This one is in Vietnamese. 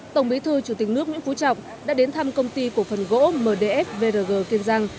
tổng bí thư chủ tịch nước nguyễn phú trọng đã đến thăm công ty cổ phần gỗ mdf vrg kiên giang